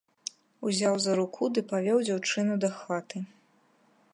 Узяў за руку ды павёў дзяўчыну дахаты!